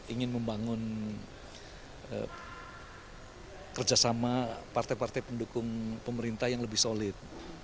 ingin membangun kerjasama partai partai pendukung pemerintah yang lebih solid